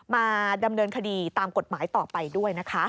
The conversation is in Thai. มาดำเนินคดีตามกฎหมายต่อไปด้วยนะคะ